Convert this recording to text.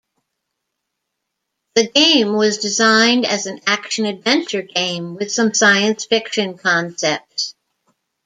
The game was designed as an action adventure game with some science fiction concepts.